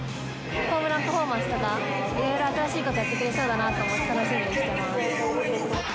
ホームランパフォーマンスとか、いろいろ新しいことやってくれそうだなと思って、楽しみです。